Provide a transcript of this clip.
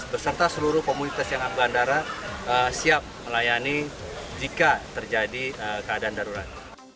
beserta seluruh komunitas yang ada bandara siap melayani jika terjadi keadaan darurat